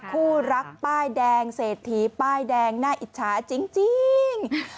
คู่รักป้ายแดงเศรษฐีป้ายแดงน่าอิจฉาจริง